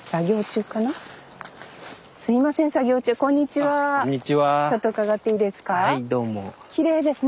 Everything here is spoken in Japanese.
ちょっと伺っていいですか？